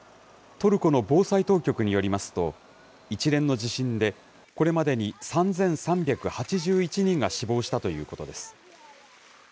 トルコの防災当局によりますと、一連の地震で、これまでに３３８１人が死亡したということです。